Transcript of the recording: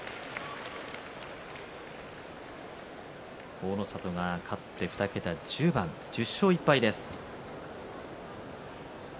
大の里が勝って２桁１０番１０勝１敗です。